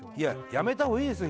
やめたほうがいいですよ